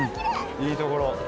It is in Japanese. いいところ。